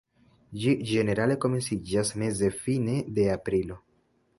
Ĝi ĝenerale komenciĝas meze-fine de aprilo.